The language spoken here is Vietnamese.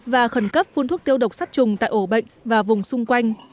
và khẩn cấp phun thuốc tiêu độc sát trùng tại ổ bệnh và vùng xung quanh